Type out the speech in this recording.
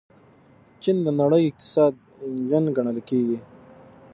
چین د نړۍ اقتصادي انجن ګڼل کیږي.